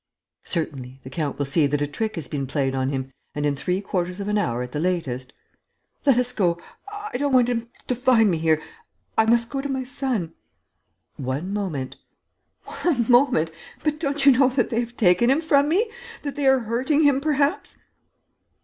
"Certainly, the count will see that a trick has been played on him and in three quarters of an hour at the latest...." "Let us go.... I don't want him to find me here.... I must go to my son...." "One moment...." "One moment!... But don't you know that they have taken him from me?... That they are hurting him, perhaps?..."